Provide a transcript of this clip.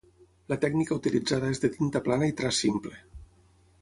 La tècnica utilitzada és de tinta plana i traç simple.